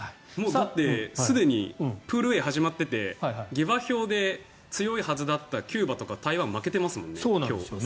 すでにプールＡは始まっていて下馬評で強いはずだったキューバとか台湾が負けていますもんね。